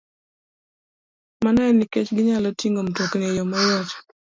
Mano en nikech ginyalo ting'o mtokni e yo mayot,